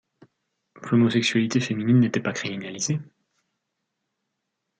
L'homosexualité féminine n'était pas criminalisée.